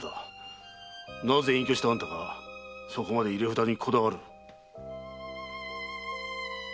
なぜ隠居したあんたがそこまで入札にこだわる？